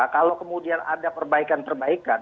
kalau kemudian ada perbaikan perbaikan